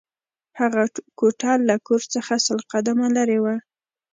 هغه کوټه له کور څخه سل قدمه لېرې وه